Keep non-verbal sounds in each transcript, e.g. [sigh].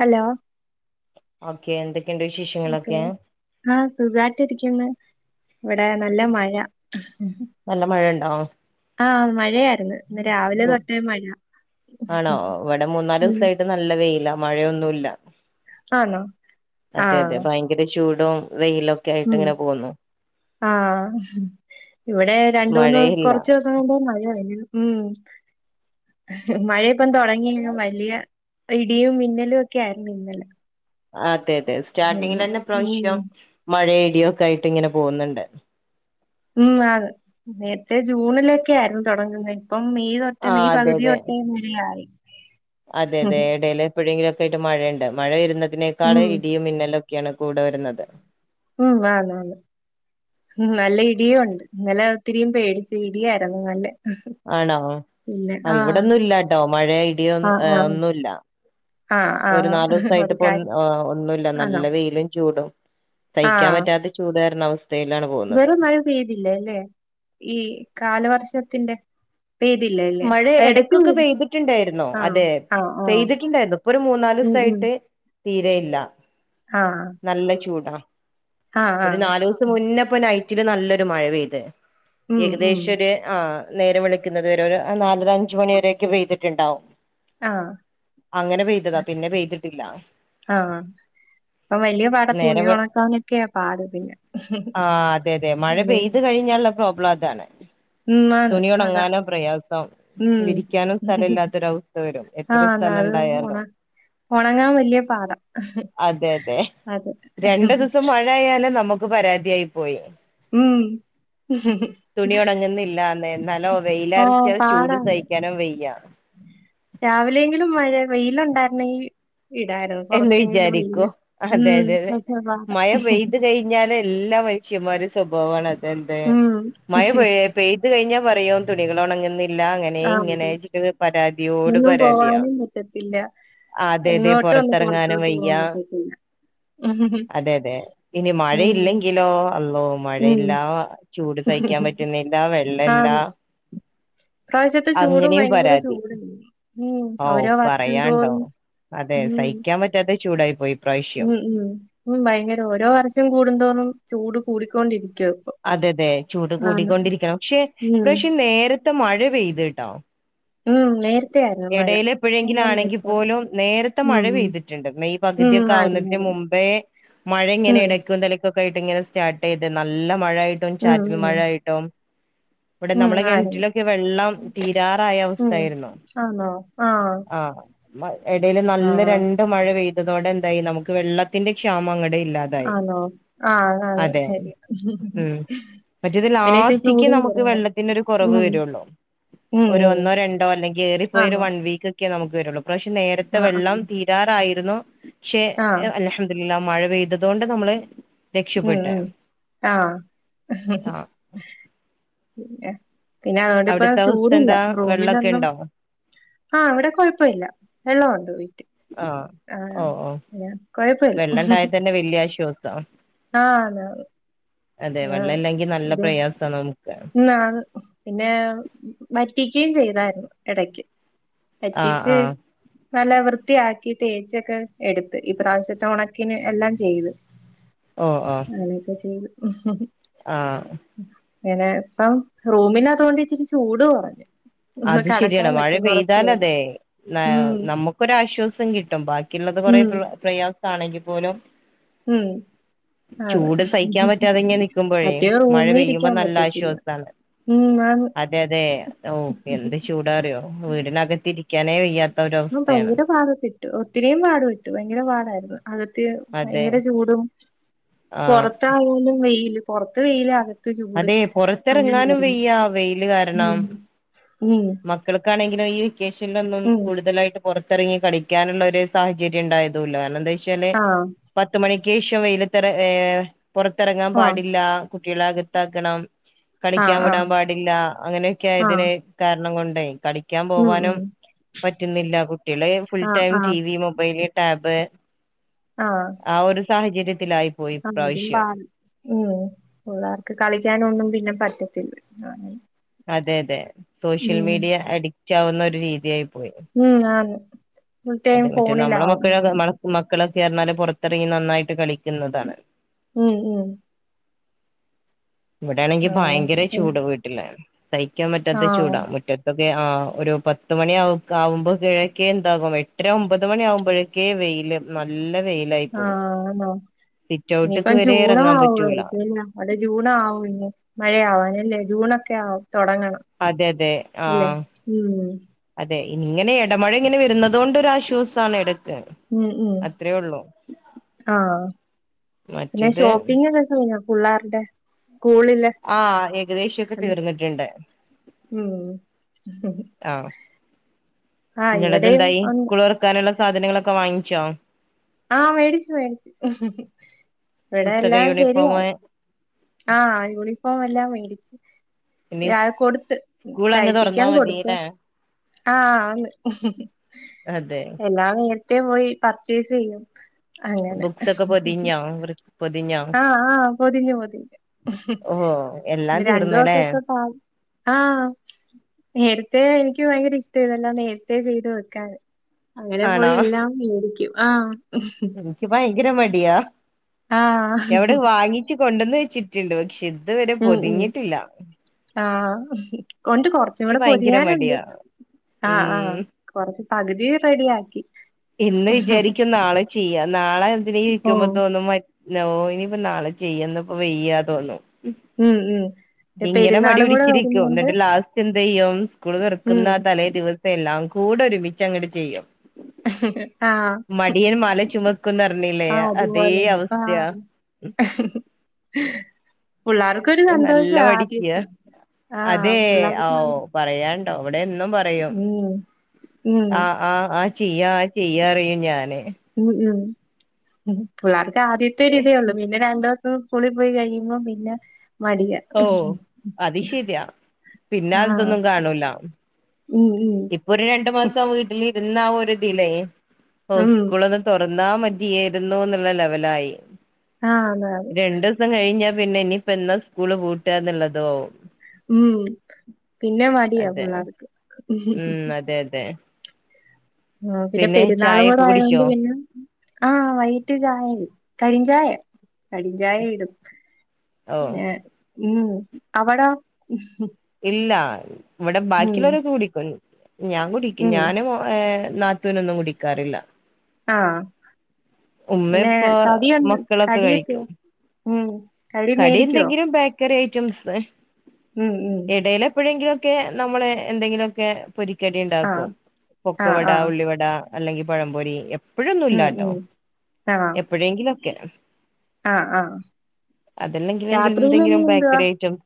Hello okay എന്തൊക്കെയുണ്ട് വിശേഷങ്ങളൊക്കെ ആ സുഖായിട്ടിരിക്കുന്നു ഇവിടെ നല്ല മഴ- നല്ല മഴയ ഉണ്ടോ ആഹ് മഴയായിരുന്നു ഇന്ന് രാവിലെ ഉ, തൊട്ടേ മഴ ആണോ ഇവിടെ മൂന്നാല് ദിവസായിട്ട്- നല്ല വെയില മഴയൊന്നുല്ല ആന്നോ അതെ അതെ ഭയ- ഭയങ്കര ചൂടും വെയിലൊക്കെ- ആയിട്ട് ഉം ഇങ്ങനെ പോകുന്നു ആഹ് ഇവിടെ രണ്ടൂന്ന് മഴയില്ല കൊറച്ച് ദെ - [unintelligible] മഴ ഉ മഴ ഇപ്പം തൊടങ്ങിയ വലിയ- ഇടിയും മിന്നലും ഒക്കെ ആയിരുന്നു ഇന്നലെ. അതെ അതെ സ്റ്റാർട്ടിങ്ങില് പിന്നെ തന്നെ ഉം ഇപ്രാവശ്യം മഴേ ഇടിയൊക്കെ ആയിട്ട് ഇങ്ങനെ പോകുന്നുണ്ട് ഉം അഹ് നേരത്തെ ജൂണിലൊക്കെ ആയിരുന്നു തൊടങ്ങുന്നത് ഇപ്പം മെയ്- ട്ട ആ മെയ് അതെ പകുതി അതെ തൊട്ടെ ഇങ്ങനെ ആയി അതെ അതെ എടയില് എപ്പോഴെങ്കിലൊക്കെയായിട്ട് മഴയിണ്ട് മഴ വരുന്നതിനേക്കാള് ഉം ഇടിയും മിന്നലും- ഒക്കെയാണ് കൂടെ വരുന്നത് ഉം [unintelligible] ഉം നല്ല ഇടിയും ഉണ്ട് ഇന്നലെ ഒത്തിരിയും പേടിച്ച് ഇടിയായിരുന്നു നല്ലെ ആണോ ആ ഇവിടെന്നുയില്ല ട്ടോ മഴ ആഹ് ആഹ് ഇടിയോന്നുയില്ല ആഹ് ഒരു ആഹ് നാല് ദെവസായിട്ട് അത് കാര്യം ഇപ്പൊഒന്ന് ഒന്നുല്ല. ആണോ നല്ല വെയിലും ചൂടും സഹിക്കാൻ ആഹ് പറ്റാത്ത- ചൂട് കാരണം [unintelligible] വെറും മഴ പെയ്തില്ല ഇല്ലേ ഈ കാലവർഷത്തിന്റെ പെയ്തില്ല അല്ലേ മഴ എടക്ക് ഇടക്കൊക്കെ പെയ്ത് പെയ്തിട്ടുണ്ടായിരുന്നു ആഹ് അതെ ആഹ് ആഹ് പെയ്തിട്ടുണ്ടായിന്നു ഇപ്പൊ ഒരു മൂന്നാല് ഉം ഉം ദിവസയിട്ട് തീരെയില്ല ആഹ് നല്ല ചൂടാ ആഹ് ഒരു ആഹ് നാലു ദെവസം മുന്നേ ഇപ്പൊ നൈറ്റില് നല്ലൊരു മഴ പെയ്ത് ഉം ഉം ഏകദേശം ഒരു ആഹ് നേരം വെളുക്കുന്നത് വരെ നാലര അഞ്ച് മണി വരെ ഒക്കെ പെയ്തിട്ടുണ്ടാവും ആഹ് അങ്ങനെ പെയ്തതാ പിന്നെ പെയ്തിട്ടില്ല ആഹ് ഇപ്പം വലിയ പാടാ തുണി നേരം വെള്ത് ഒണക്കാനൊക്കെയാ പാട് പിന്നെ ആഹ് അതെ അതെ മഴ പെയ്ത് കഴിഞ്ഞാല് - പ്രോബ്ലം അതാണ് ഉം ആന്ന് അതാ തുണിയോണങ്ങാനും പ്രയാസം ഉം വിരിക്കാനും സ്ഥല ഇല്ലാത്തൊരവസ്ഥ വരും എത്ര ആന്ന് സ്ഥലം അത് ഒണ ഇണ്ടായാലും ഒണങ്ങാൻ വലിയ പാടാ അതെ അതെ അത് രണ്ടു ദിവസം മഴ ആയാലും നമു ക്ക് പരാതിയായി പോയി ഉം തുണി ഉണങ്ങുന്നില്ല എന്നാലോ വെയിലാ ആണാണ് രാവിലെങ്കിലും മഴ വെയിലുണ്ടായിരന്നെങ്കിൽ ഇടാരുന്നു എന്ന് കൊറച്ചെങ്കിലും വെയില് വിചാരിക്കും അതെ ഉം [unintelligible] ഞാന് എല്ലാ മനുഷ്യന്മാരിം സ്വഭാവാണ് അതെന്ത്‌ ഉം മഴ പഴയ പെയ്ത് കഴിഞ്ഞാപറയും തുണികളുണങ്ങുന്നില്ല അങ്ങനെ ആഹ് ഇങ്ങനെ അതെ പരാതിയോട് എങ്ങും പരാതിയാ പോവാനും പറ്റത്തില്ല അതെതെ എങ്ങോട്ടും ഒന്ന് പൊറത്തിറങ്ങാനും പൊറത്തോട്ട് വയ്യ പോവാൻ പറ്റത്തില്ല അതെ അതെ ഇനി ഉം മഴയില്ലെങ്കിലോ അള്ളോ! ഉം മഴയില്ല ചൂട് സഹിക്കാൻ പറ്റുന്നില്ല വെള്ളല്ല ആഹ് ഇപ്രാവശ്യത്തെ ചൂടും ഭയങ്കര ചൂട്ണ്ട് ഉം ഓ ഓരോ വർഷം പറയാണ്ടോ തോറും അതെ ഉം സഹിക്കാൻ പറ്റാത്തെ ചൂടായി പോയി ഇപ്രാവശ്യം ഉം ഉം ഭയങ്കര ഓരോ വർഷം കൂടുന്തോറും ചൂട് കൂടിക്കൊണ്ടിരിക്കുവ ഇപ്പൊ അതെ അതെ ചൂട് ആന്ന് കൂടിക്കൊണ്ടിരിക്കണം പക്ഷെ ഉം പ്രവശ്യം നേരത്തെ മഴ പെയ്തു ട്ടോ ഉം നേരത്തെ ആയിരുന്നു മഴ നല്ല എടയിലപ്പോഴെങ്കിലുമാണെങ്കിൽ നേരത്തോടെ പോലും നേരത്തെ ഉം മഴ പെയ്തി ട്ടുണ്ട് മെയ് ഉം ഉം പകുതിയൊക്കെ ആയിരുന്നു ആവുന്നതിന് ആയിരുന്നു മുമ്പേ മഴ ഇങ്ങനെ ഉം ഇടക്കും തലയ്ക്കൊക്കെയിട്ട് ഇങ്ങനെ സ്റ്റാർട്ട് ചെയ്ത് നല്ല മഴ ആയിട്ട് ട്ടും ഉം ചാറ്റൽ ഉം മഴായിയിട്ടും ഇവിടെ ഉം നമ്മളെ ആയിരുന്നു കിണറ്റിലൊക്കെ വെള്ളം തീരാറായ അവസ്ഥ ഉം ആയിരുന്നു ആണോ ആഹ് മ എടയിൽ നല്ല ആഹ് രണ്ട് മഴ പെയ്തതോടെ എന്തായി നമുക്ക് വെള്ളത്തിന്റെ ക്ഷാമം അങ്ങട് ഇല്ലാതെ ആണോ ആഹ് ആഹ് ശെരി ഉം മറ്റേത് ഇച്ചിരി ലാസ്റ്റിക്ക് ചൂടും നമുക്ക് കുറഞ്ഞ് വെള്ളത്തിന ഒരു കുറവ് ഉം വരുള്ളൂ. ഉം ഒരു ഉം ഒന്നോ രണ്ടോ അല്ലെങ്കിൽ ഏറിപ്പോയ ഒരു ആണോ വൺ വീക്ക് ക്കെ നമുക്ക് വരൊള്ളൂ പക്ഷെ നേരത്തെ ആഹ് വെള്ളം ആഹ് തീരാറായിരുന്നു ക്ഷെ ആഹ് അല്ഹം എല്ലാം മഴ പെയ്തത് കൊണ്ട് നമ്മള് ഉം രക്ഷപ്പെട്ട് ഉം ആഹ് ആഹ് പിന്നെ പിന്നെ അതോണ്ട്പ്പ അവിടുത്തെ അവസ്ഥ ചൂട്ല്ല. എന്താ വെള്ളൊക്കെ റൂമിലൊന്നും- ഉണ്ടോ ആഹ ഇവിടെ കുഴപ്പമില്ല വെള്ളമുണ്ട് വീട്ടിൽ ആഹ് ആഹ. അ കൊഴപ്പല്ല. ന്ന് വെള്ളിയാഴ്ചോസം. ആഹ. ആന്ന് ആന്ന് അതെ വെള്ളല്ലെങ്കി നല്ല പ്രയാസാ നമുക്ക്. പിന്നെ വറ്റിക്കയും ചെയ്തായിരുന്നു, ഇടക്ക്. ആഹ് പറ്റിച്ച്. ആഹ് നല്ല വൃത്തിയാക്കി തേച്ചൊക്കെ എടുത്ത്. ഇപ്രാവശ്യത്തെ ഒണക്കിന് എല്ലാം ചെയ്ത്. അങ്ങനെയൊക്കെ ചെയ്തു. ആഹ. ഇങ്ങനെ ഇപ്പം റൂമിനത്തു അതുകൊണ്ട് ഇച്ചിരി ചൂട് കുറഞ്ഞു. അത് ശരിയാണ്. മഴ പെയ്താൽ അതെ. ഉം നമുക്കൊരാശ്വാസം കിട്ടും. ബാക്കിയുള്ളത് കൊറെ ഉം പ്രയാസ- ആണെങ്കിൽ പോലും. ഉം. അതെ ചൂട് സഹിക്കാൻ പറ്റാതെ ഇങ്ങനെ നൽക്കുമ്പോഴേ, മറ്റേ മഴ റൂമി പെയ്യുമ്പോ ഇരിക്കാൻ നല്ല പറ്റത്തില്ല ആശ്വാസാണ്. ഉം ആന്ന് അതെ അതെ. ഓ എന്ത് ചൂടാറിയോ? വീടിനകത്തിരിക്കാനേ വയ്യ. ഭയങ്കര പാട്പെട്ടു. ഒത്തിരിം പാട്പെട്ടു. ഭയങ്കര പാടായിരുന്നു. അകത്തെ അതെ ഭയങ്കര ചൂടും. ആഹ് പൊറത്തായാലും വെയില്. പൊറത്ത് വെയിലാണ്. ചൂട് അതെ പൊറത്തെറങ്ങാനും അങ്ങനെയായിരുന്നു വയ്യ ഉം മക്കൾക്കാണെങ്കിലൊ ഈ വെക്കേഷനിലൊന്നും ഉം. കൂടുതലായിട്ട്. പുറത്തിറങ്ങി കളിക്കാനുള്ള ഒരു സാഹചര്യം ഉണ്ടായതൂല്ല കാരണം എന്താ വെച്ചാല്. ആഹ്. പത്ത് മണിക്ക് ശേഷം വെയിലത്ത് ഏഹ് പുറത്തിറങ്ങാൻ ആഹ്. പാടില്ല. കുട്ടികളെ അകത്താക്കണം കളിക്കാൻ ആഹ് വിടാൻ ആഹ്. പാടില്ല ആഹ്. അങ്ങനെയൊക്കെയായതിന്. കാരണം കൊണ്ടെ കളി കളിക്കാൻ ഉം പോവാനും ഉം. പറ്റുന്നില്ല കുട്ടികള് ഫുൾ ആഹ് ടൈം ആഹ്. TV mobile tab. ആഹ് ആ ഒരു സാഹചര്യത്തിലായി. പോയി ആ അതും പാ ഇപ്രാവശ്യം ഉം പിള്ളാർക്ക് കളിക്കാനൊന്നും പിന്നെ പറ്റത്തില്ല. അതെ അതെ സോഷ്യൽ ഉം. മീഡിയ അഡിക്റ്റ് ആവുന്ന ഒരു രീതിയായി പോയി. ഉം ആ ഫുൾടൈം അതെ മറ്റേ നമ്മളെ ഫോണിലാവും മക്കളൊക്കെ പിന്നെ. മക്കളൊക്കെ പറഞ്ഞാല് പുറത്തിറങ്ങി നന്നായിട്ട് കളിക്കുന്നതാണ്. ഉം ഉം. ഇവിടെയാണെങ്കിൽ ആഹ്. ഭയങ്കര പിന്നെ ചൂട് വീട്ടില് സഹിക്കാൻ പറ്റാത്ത ആഹ്. ചൂടാ മുറ്റ ക്കെ ആ ഒരു പത്ത് മണി ആ ആവുമ്പോ കിഴക്കെ എന്താകും എട്ടര ഒമ്പത് മണി ആകുമ്പോഴേ ഒക്കെ വെയില് നല്ല വെയില്. ആഹ് ആണോ ഔട്ട്ക്ക് ഇനിയിപ്പം വരെ ജൂണ് ഇറങ്ങാൻ പറ്റൂല ആവായിരിക്കല്ലെ അതെ ജൂൺ ആവും മഴയാവാനല്ലേ ജൂണൊക്കെ ആവു തൊടങ്ങണം. അതെ അതെ അല്ലേ? ആഹ് ഉം. അതെ ഇങ്ങനെ ഇടമഴ ഇങ്ങനെ വരുന്നതോണ്ടൊ ഒരാശ്വാസാണ് ഇടക്ക്. ഉം ഉം അത്രേ ഉള്ളൂ ആഹ് പിന്നെ മറ്റേത് ഷോപ്പിംഗ് ഒക്കെ കഴിഞ്ഞോ പുള്ളാരുടെ സ്കൂളിലെ ആഹ് ഏകദേശൊക്കെ തീർന്നിട്ട്ണ്ട് ഉം ആഹ് ആഹ് ഇവിടെയും ങ്ങളെതന്തായി ഒന്ന് സ്കൂൾ തുറക്കാനുള്ള സാധനങ്ങളൊക്കെ വാങ്ങിച്ചോ? ആഹ് മേടിച്ചു മേടിച്ചു ഇവിടെ പുസ്തക എല്ലാം യൂണിഫോം ശരിയാ ആഹ് യൂണിഫോം എല്ലാം മേടിച്ച്. ഇനി ഞാൻ കൊടുത്ത് സ്കൂൾ അങ്ങ് തുറന്നാ തയ്പ്പിക്കാൻ കൊടുത്ത്. മതില്ലേ ആഹ് ആന്ന് അതെ ഞാൻ നേരത്തെ പോയി പർച്ചേസ് ചെയ്യും അങ്ങനെ ബുക്സ് ഒക്കെ [unintelligible] പൊതിഞ്ഞോ ആഹ് ആഹ് പൊതിഞ്ഞു പൊതിഞ്ഞു ഓഹോ എല്ലാം പി രണ്ടു തീർന്നല്ലേ ദിവസത്തെ ക്ലാ ആഹ് നേരത്തെ എനിക്ക് ഭയങ്കര ഇഷ്ടവാ ഇതെല്ലാം നേരത്തെ ചെയ്ത് വെക്കാൻ അങ്ങനെ പോയി ആണോ എല്ലാം മേടിക്കും ആഹ് എനിക്ക് ഭയങ്കര മടിയാ ആഹ് എവിടെ വാങ്ങിച്ച് കൊണ്ടന്ന് വെച്ചിട്ടുണ്ട് പക്ഷെ ഇത് വരെ ഉം ഉം. പൊതിഞ്ഞിട്ടില്ല ആഹ് ഉണ്ട് എനിക്ക് കൊറച്ചൂടെ ഭയങ്കര പൊതിയാനുണ്ട് മടിയാ ആഹ് ആഹ് ഉം കൊറച്ച് പകുതി റെഡിയാക്കി ഇന്ന് വിചാരിക്കും നാളെ ചെയ്യാം നാളെ എന്തിനെ ഇരിക്കുമ്പോ ഓഹ് തോന്നും മ നോ ഇനിയിപ്പോ നാളെ ചെയ്യന്നപ്പോ വെയ്യാ തോന്നുന്നു ഉം ഉം ഈ പെരുന്നാളും കൂടെ വരുന്നുണ്ട് എന്തെയ്യും സ്കൂള് തുറക്കുന്ന തലേദിവസം എല്ലാം കൂടെ ഒരുമിച്ച് അങ്ങട് ചെയ്യും ആഹ് മടിയൻ മല ചുമക്കുന്ന് പറഞ്ഞില്ലേ അതേ അവസ്ഥയാണ് പുള്ളാർ ക്കൊരു നല്ല സന്തോഷവാ മടിക്കിയ ആദ്യത്തെ ആഹ് അതെ പിള്ളാർക്ക് ഓ പറയാണ്ടോ ഇവിടെ എന്നും പറയും ഉം ഉം ആഹ് ആഹ് ആഹ് ചെയ്യാ ചെയ്യാ അറിയൂ ഞാന് ഉം ഉം ഉം പുള്ളാർക്ക് ആദ്യത്തെ ഒരി ഇതേ ഉള്ളൂ പിന്നെ രണ്ടു ദിവസം സ്കൂളിൽ പോയി കഴിയുമ്പോം പിന്നെ മടിക ഓ അത് ശരിയാ പിന്നെ ആഹ് അതൊന്നും കാണൂല ഉം ഉം ഇപ്പൊ ഒരു രണ്ടു മാസം ആഹ് വീട്ടിലിരുന്ന ആഹ് ഒരി ഇതിലേ ഉം. സ്കൂള ഒന്ന് തുറന്നാ മതിയരുന്നു എന്നുള്ള ലെവലായി ആഹ് അതെ അതെ ദിവസം കഴിഞ്ഞാ പിന്നെ ഇനിയിപ്പോ എന്ന സ്കൂള് പൂട്ടുകാ എന്നുള്ളതോ ഉം പിന്നെ മടിയാണ് അതെ പിള്ളയ്ക്ക് ഉം അതെ അതെ ആഹ് പിന്നെ പെരുന്നാളും കൂടെ ചായൊക്കെ ആയ കൊണ്ട് കുടിച്ചോ പിന്നെ ആഹ് വൈകിട്ട് ചായ കടും ചായ കടിചായ ഇടും ഓ പിന്നെ ഉം അവിട് ഇല്ല ഇവിടെ ബാക്കിയുള്ളവരൊക്കെ കുടിക്കും ഞാൻ കുടിക്കും ഉം ഞാനും ഏഹ് നാത്തൂനൊന്നും കുടിക്കാറില്ല ആഹ് ഉമ്മ പിന്നെ ഇപ്പ കടിയുണ്ട് മക്കളൊക്കെ കടിയൊക്കെയോ കഴിക്കും ഉം കടി മേടിക്കുവോ കടിഎന്തെങ്കിലും പാക്ക് ക്കെറിയ ഐറ്റംസ് ഉം ഉം ഇടയില് എപ്പോഴെങ്കിലും എക്കെ നമ്മള് എന്തെങ്കിലുമൊക്കെ പൊരിക്കടി ഉണ്ടാക്കും ആഹ് ആഹ് പൊക്കുവട ആഹ് ഉള്ളിവട അല്ലെങ്കിൽ പഴം പൊരി ഉം എപ്പോഴൊന്നുമല്ലാട്ടോ ഉം ആഹ് എപ്പോഴെങ്കിലും ഏക്കെ ആഹ് ആഹ് അതല്ലെങ്കിലെങ്ക രാത്രിയില് ഇനി എന്തെങ്കിലും എന്തുവാ ബക്കറിയറ്റംസ്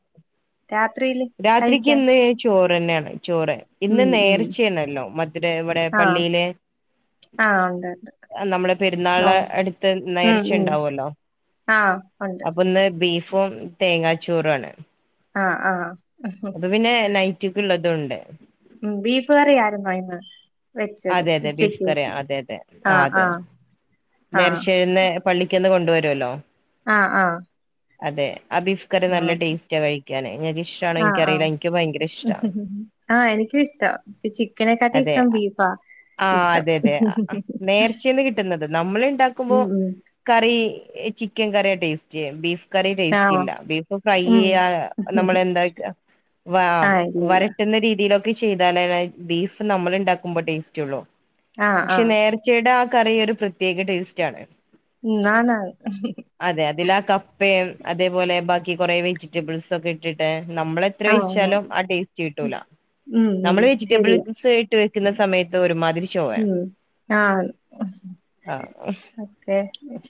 രാത്രിയില് രാത്രിക്ക് കഴിക്കാൻ ഇന്ന് ചോറ് തന്നെയാണ് ചോറ് ഇന്ന് ഉം ഉം നേർച്ചയണല്ലോ മധുര ഇവിടെ പള്ളിയില് ആഹ ഉണ്ട്ണ്ട് നമ്മുടെ പെരുന്നാള അടുത്ത് നേർച്ച ഉണ്ടാവല്ലോ ആഹ ഉ ഇന്ന് ബീഫും തേങ്ങാച്ചോറും ആണ് ആഹ് ആഹ് അപ്പൊ പിന്നെ നൈറ്റക്ക ഉള്ളതൊണ്ട് ഉം ബീഫ് കറിയ ആയിരുന്നോ ഇന്ന് വെച്ചത് അതെ അതെ ബീഫ് ഉച്ചക്ക് കറി അതെ അതെ ആഹ് അതെ നേർച്ചന്ന് പള്ളിക്കന്ന് കൊണ്ട വരുമല്ലോ ആഹ് ആഹ് അതെ അതിഫ ഒക്കറി നല്ല ഓക്കെ ടേസ്റ്റാ കഴിക്കാൻ നിങ്ങൾക്ക് ഇഷ്ടണ എനിക്കറിയില്ല എനിക്ക് ഭയങ്കര ഇഷ്ടമാണ് ആഫ് എനിക്കും ഇഷ്ടം ഇ ചിക്കനെക്കാട്ടി അതെ ഇഷ്ടം ബീഫാ ആഹ് ഇഷ്ടം അതെ അതെ നേർച്ചന്ന് കിട്ടുന്നത് നമ്മൾ ഇണ്ടാക്കുമ്പോ ഉം ഉം കറി ചിക്കൻ കറിയ ടേസ്റ്റ് ബീഫ് ക്കറി ടേസ്റ്റ് ആഹ് ഇല്ല ബീഫ് ഫ്രൈ ഉം ചെയ്യാ നമ്മള എന്താ വ ആഹ് ഇല്ല ഇല്ല വരട്ടുന്ന രീതിയിലൊക്കെ ചെയ്താല ബീഫ് നമ്മൾ ഉണ്ടുമ്പോ ടേസ്റ്റ്ള്ള ആഹ് പക്ഷെ ആഹ് നേ ർചെടാ കറി ഒരു പ്രത്യേക ടേസ്റ്റ് ആണ് ഉം ആന്ന് ആന്ന് അതെ അതില ആഹ് കപ്പയും അതേപോലെ ബാക്കി കുറെ വെജിറ്റബിൾസ് ഒക്കെ ഇട്ടിട്ട് നമ്മളെ ആന്ന് ച്ചാലും ആഹ് ടസ്റ്റ് കിട്ടൂ ഉം ഉം നമ്മൾ വെജിറ്റബിൾ ശരിയാ ക്കുന്ന സമയത്ത് ഒരുമാതിരി ഉം ആഹ് ആഹ്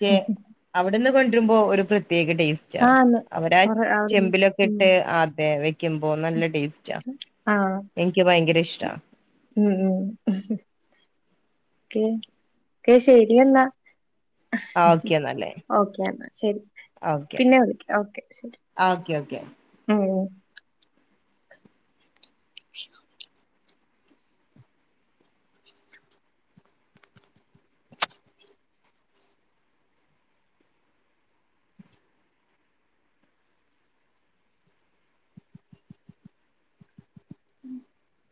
[unintelligible] അവിടെന്ന് കൊണ്ടിരുമ്പോ ഒരു പ്രത്യേക ടേസ്റ്റ് ആന്ന് അവരാ കൊറേ അവിടുന്ന് ചെമ്പിലൊക്കെ ഉം ഇട്ട് ആദ്യ വെക്കുമ്പോ നല്ല ടേസ്റ്റ ആഹ് എനിക്ക് ഭയങ്കര ഇഷ്ട ഉം ഉം ശരിയ എന്നാ ആ ഓക്കെ എന്നാലേ ഓക്കെ എന്നാ ശരി ഓക്കെ പിന്നെ വിളിക്ക ഓക്കെ ശരി ഓക്കെ ഓക്കെ ആഹ് ആഹ് [unintelligible] [inaudible]